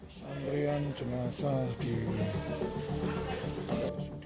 sambil yang jenazah di